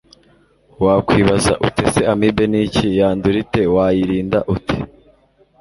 Wakwibaza uti ese Amibe niki ? Yandura ite ? Wayirinda ute ?